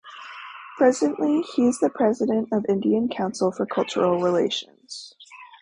Presently he is the president of Indian Council for Cultural Relations.